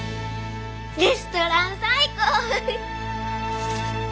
レストラン最高！